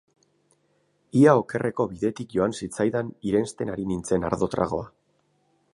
Ia okerreko bidetik joan zitzaidan irensten ari nintzen ardo-tragoa.